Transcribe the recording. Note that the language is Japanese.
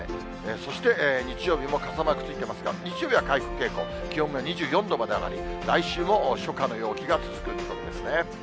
そして日曜日も傘マークついてますが、日曜日は回復傾向、気温が２４度まで上がり、来週も初夏の陽気が続く見込みですね。